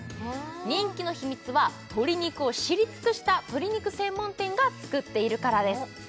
人気の秘密は鶏肉を知り尽くした鶏肉専門店が作っているからです